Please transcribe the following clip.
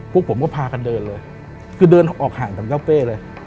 พวกผมก็พากันเดินเลยคือเดินออกห่างจากเจ้าเป้เลย